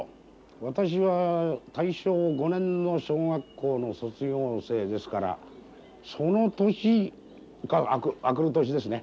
私は大正５年の小学校の卒業生ですからその年か明くる年ですね。